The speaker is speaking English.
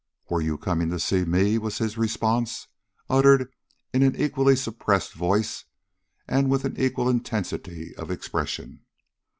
'Were you coming to see me?' was his response, uttered in an equally suppressed voice and with an equal intensity of expression.